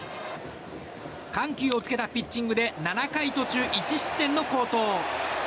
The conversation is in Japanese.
緩急をつけたピッチングで７回途中１失点の好投。